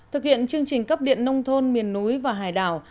thực hiện chương trình cấp điện nông thôn miền núi và hải đảo